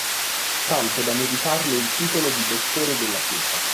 Tanto da meritarle il titolo di dottore della Chiesa